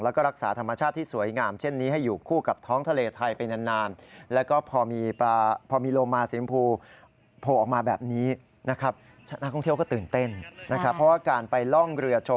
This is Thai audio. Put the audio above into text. แล้วก็รักษาธรรมชาติที่สวยงามเช่นนี้ให้อยู่คู่กับท้องทะเลไทยไปนาน